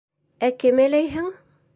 Ә кем әләйһәң?